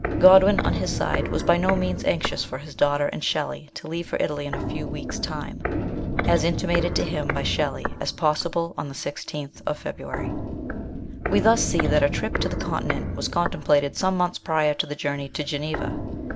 Godwin on his side was by no means anxious for his daughter and Shelley to leave for Italy in a few weeks' time, as intimated to him by Shelley as possible on the 16th February. We thus see that a trip to the Continent was contemplated some months prior to the journey to Geneva.